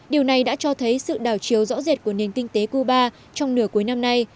điều này đã cho thấy sự đảo chiều rõ rệt của nền kinh tế cuba trong nửa cuối năm nay